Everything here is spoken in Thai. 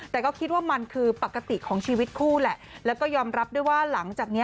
แต่ก็คิดว่ามันคือปกติของชีวิตคู่แหละแล้วก็ยอมรับด้วยว่าหลังจากนี้